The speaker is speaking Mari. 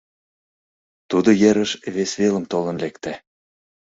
Тудо ерыш вес велым толын лекте.